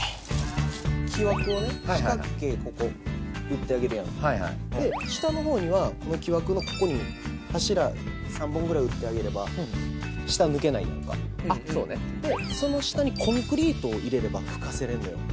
木枠をね四角形ここ打ってあげるやん下の方にはこの木枠のここに柱３本ぐらい打ってあげれば下抜けないやんかでその下にコンクリートを入れれば浮かせれるのよ